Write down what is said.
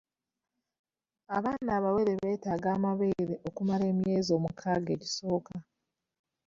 Abaana abawere beetaaga amabeere okumala emyezi omukaaga egisooka.